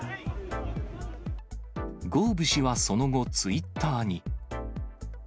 ゴーブ氏はその後、ツイッターに。